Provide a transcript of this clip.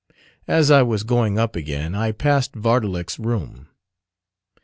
As I was going up again I passed Vardalek's room.